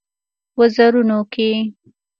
وزرونو کې